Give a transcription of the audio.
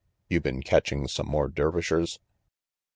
"You been catching some more Dervishers?"